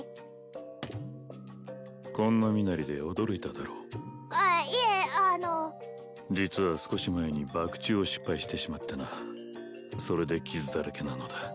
こんな身なりで驚いただろうあっいえあの実は少し前にバク宙を失敗してしまってなそれで傷だらけなのだ